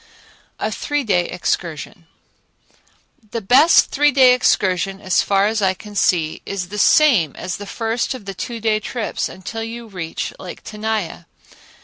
A Three Day Excursion The best three day excursion, as far as I can see, is the same as the first of the two day trips until you reach Lake Tenaya.